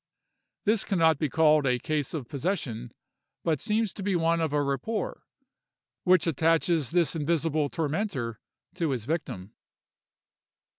This can not be called a case of possession, but seems to be one of a rapport, which attaches this invisible tormentor to his victim.